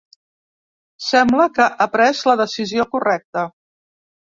Sembla que ha pres la decisió correcta.